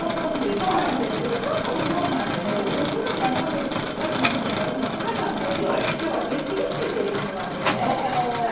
そうなんですけどちょっとの量なんでね湯せんするのもお鍋２つも３つも出すのかなわんのできょうは電子レンジでいきますね。